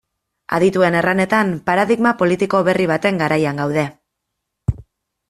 Adituen erranetan, paradigma politiko berri baten garaian gaude.